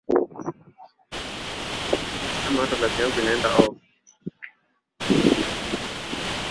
Mtihani ulikuwa mgumu.